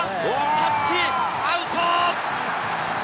タッチアウト！